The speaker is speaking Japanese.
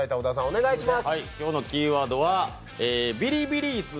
お願いします。